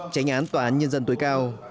tránh án tòa án nhân dân tối cao